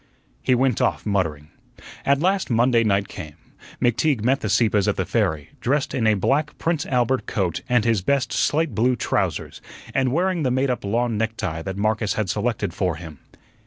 He went off muttering. At last Monday night came. McTeague met the Sieppes at the ferry, dressed in a black Prince Albert coat and his best slate blue trousers, and wearing the made up lawn necktie that Marcus had selected for him.